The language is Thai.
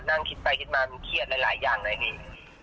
นั่งคิดไปคิดมามันเทียดหลายอย่างในฐาน